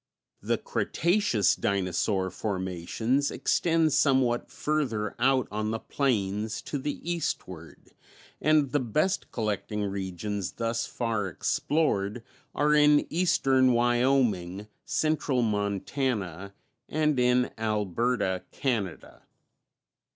The Cretaceous Dinosaur formations extend somewhat further out on the plains to the eastward, and the best collecting regions thus far explored are in eastern Wyoming, central Montana and in Alberta, Canada.